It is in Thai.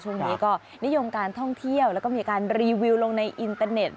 ช่วงนี้ก็นิยมการท่องเที่ยวแล้วก็มีการรีวิวลงในอินเตอร์เน็ต